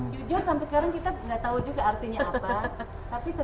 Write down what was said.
jujur sampai sekarang kita gak tau juga artinya apa